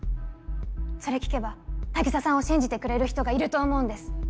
それ聞けば凪沙さんを信じてくれる人がいると思うんです